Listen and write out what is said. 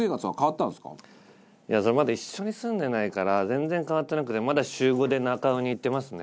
いやまだ一緒に住んでないから全然変わってなくてまだ週５でなか卯に行ってますね。